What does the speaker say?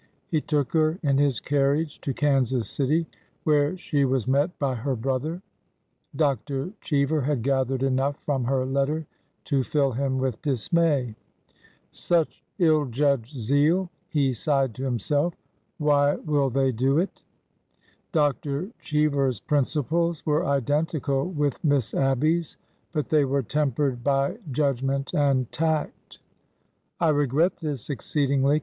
He took her in his carriage to Kansas City, where she was met by her brother. Dr. Cheever had gathered enough from her letter to fill him with dismay. " Such ill judged zeal 1 he sighed to himself. '' Why will they do it 1 '' Dr. Cheever's principles were identical with Miss Ab by 's, but they were tempered by judgment and tact. " I regret this exceedingly.